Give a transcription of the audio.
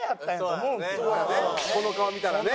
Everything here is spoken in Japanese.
この顔見たらね。